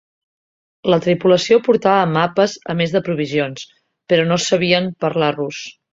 La tripulació portava mapes a més de provisions, però no sabien parlar rus.